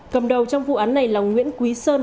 cầm đầu trong vụ án này là nguyễn quý sơn